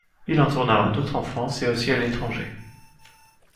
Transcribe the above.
Il en tournera d'autres en France et aussi à l'étranger.